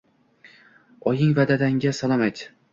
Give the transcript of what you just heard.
oying va dadangga salom ayt.